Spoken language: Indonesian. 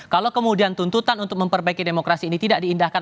kalau kemudian tuntutan untuk memperbaiki demokrasi ini tidak diindahkan